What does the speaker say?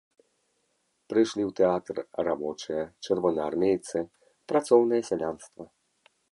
Прыйшлі ў тэатр рабочыя, чырвонаармейцы, працоўнае сялянства.